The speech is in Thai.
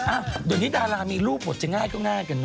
อะโดยนี้ดารามีรูปปวดแบ่ง่ายข้างหน้ากันเนอะ